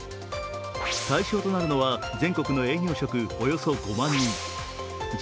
対象となるのは、全国の営業職およそ５万人。